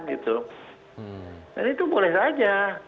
dan itu boleh saja